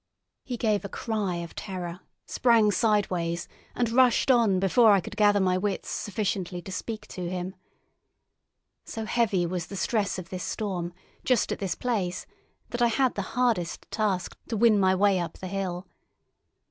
He gave a cry of terror, sprang sideways, and rushed on before I could gather my wits sufficiently to speak to him. So heavy was the stress of the storm just at this place that I had the hardest task to win my way up the hill.